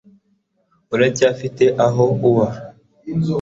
uracyafite aho uba